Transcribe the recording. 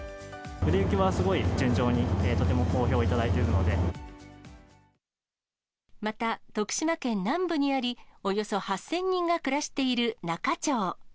売れ行きはすごい順調に、また、徳島県南部にあり、およそ８０００人が暮らしている那賀町。